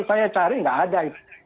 saya cari tidak ada